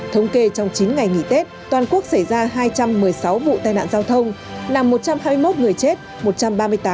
thống kê trong chín ngày nghỉ tết toàn quốc xảy ra hai trăm một mươi sáu vụ tai nạn giao thông làm một trăm hai mươi một người chết